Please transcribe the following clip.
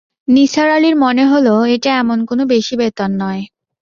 নিসার আলির মনে হল, এটা এমন কোনো বেশি বেতন নয়।